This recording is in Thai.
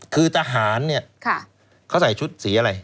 คือทหารเนี่ยเขาใส่ชุดสีอะไร